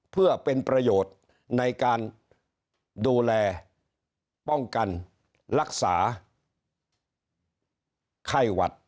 เพื่อเป็นประโยชน์ในการดูแลป้องกันรักษาไข้หวัด